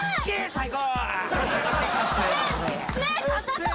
最高。